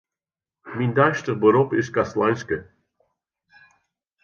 Myn deistich berop is kastleinske.